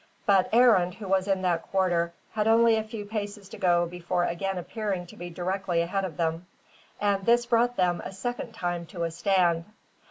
But Arend, who was in that quarter, had only a few paces to go before again appearing to be directly ahead of them, and this brought them a second time to a stand.